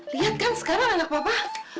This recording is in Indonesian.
liat kan sekarang anak papa